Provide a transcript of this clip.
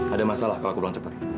ada masalah kalau aku belum cepat